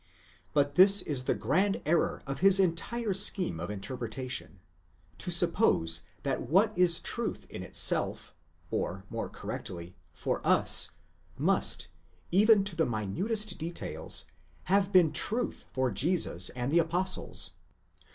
But this is the grand error of his entire scheme of interpretation—to suppose that what is truth in itself, or more correctly, for us, must, even to the minutest details, have been truth for Jesus and the apostles.